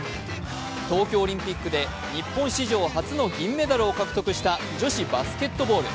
東京オリンピックで日本史上初の銀メダルを獲得した女子バスケットボール。